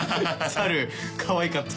猿かわいかった。